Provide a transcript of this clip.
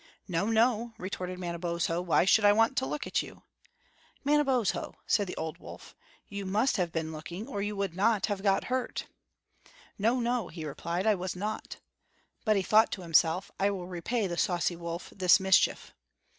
"No, no," retorted Manabozho, "why should I want to look at you?" "Manabozho," said the old wolf, "you must have been looking or you would not have got hurt." "No, no," he replied again, "I was not." But he thought to himself, "I will repay the saucy wolf this mischief."